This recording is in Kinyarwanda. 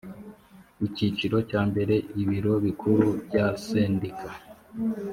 icyiciro cya mbere ibiro bikuru bya sendika